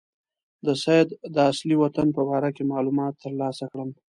د سید د اصلي وطن په باره کې معلومات ترلاسه کړم.